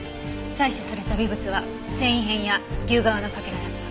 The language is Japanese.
採取された微物は繊維片や牛革のかけらだった。